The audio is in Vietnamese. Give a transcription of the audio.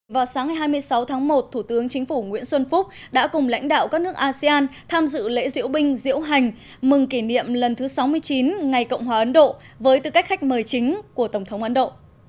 vào sáng ngày hai mươi sáu tháng một thủ tướng chính phủ nguyễn xuân phúc đã cùng lãnh đạo các nước asean tham dự lễ diễu binh diễu hành mừng kỷ niệm lần thứ sáu mươi chín ngày cộng hòa ấn độ với tư cách khách mời chính của tổng thống ấn độ